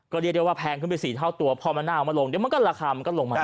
ก็เรียกได้ว่าแพงขึ้นไป๔เท่าตัวพอมะนาวมาลงเดี๋ยวมันก็ราคามันก็ลงมา